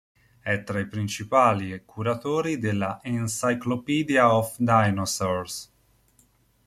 È tra i principali curatori della "Encyclopedia of Dinosaurs".